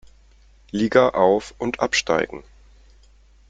Liga auf- und absteigen.